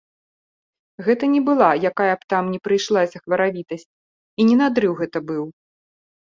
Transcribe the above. Гэта не была якая б там ні прыйшлася хваравітасць і не надрыў гэта быў.